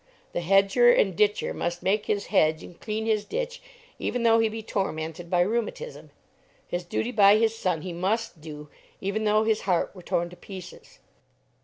The hedger and ditcher must make his hedge and clean his ditch even though he be tormented by rheumatism. His duty by his son he must do, even though his heart were torn to pieces.